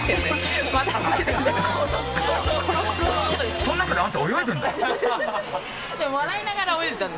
その中であんた、泳いでるんだ。